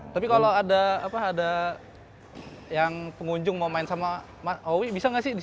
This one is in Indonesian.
tapi kalau ada apa ada yang pengunjung mau main sama mas zowie bisa gak sih disini